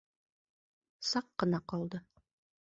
Саҡ ҡына ҡалды!